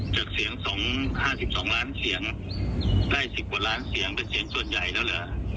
จากเสียง๒๕๒ล้านเสียงได้๑๐กว่าล้านเสียงเป็นเสียงส่วนใหญ่แล้วเหรอ